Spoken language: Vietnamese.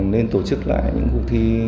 nên tổ chức lại những cuộc thi